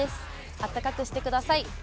あったかくしてください。